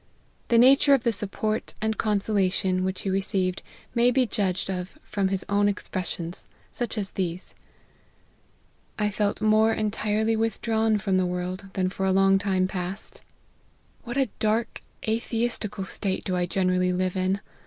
The nature of the support and consola tions, which he received, may be judged of from his own expressions, such as these :" I felt more, entirely withdrawn from the world, than for a long time past : what a dark atheistical H2 90 LIFE OF HENRY MARTY N T . state do I generally live in